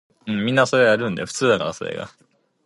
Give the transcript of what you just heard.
Access during the off-season is available by appointment.